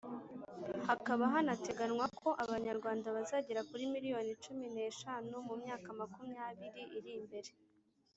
hakaba hanateganywa ko abanyarwanda bazagera kuri miliyoni cumi n’eshanu mu myaka makumyabiri iri mbere.